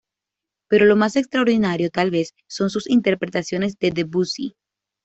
Pero lo más extraordinario, tal vez, son sus interpretaciones de Debussy.